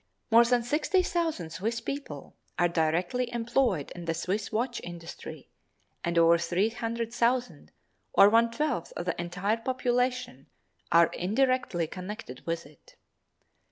More than sixty thousand Swiss people are directly employed in the Swiss watch industry and over three hundred thousand, or one twelfth of the entire population, are indirectly connected with it.